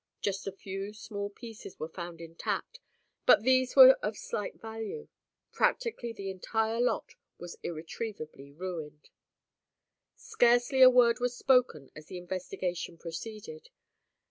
Just a few small pieces were found intact, but these were of slight value. Practically the entire lot was irretrievably ruined. Scarcely a word was spoken as the investigation proceeded.